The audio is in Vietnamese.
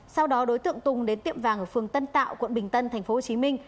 sau đó đối tượng tùng đến tiệm vàng ở phường tân tạo quận bình tân tp hcm